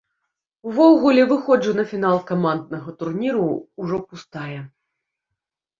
Увогуле, выходжу на фінал каманднага турніру ўжо пустая.